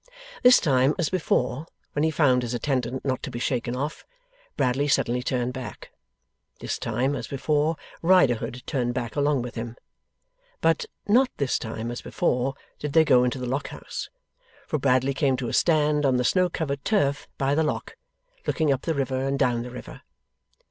This time, as before, when he found his attendant not to be shaken off, Bradley suddenly turned back. This time, as before, Riderhood turned back along with him. But, not this time, as before, did they go into the Lock House, for Bradley came to a stand on the snow covered turf by the Lock, looking up the river and down the river.